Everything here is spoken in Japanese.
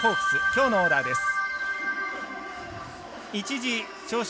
きょうのオーダーです。